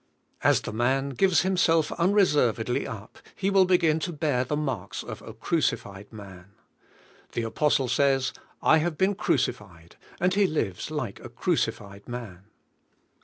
As the man gives himself unreservedly up, he will begin to bear the marks of a crucified man. The apostle says: "I have been crucified," and he lives like a cruci fied man.